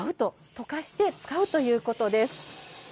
溶かして使うということです。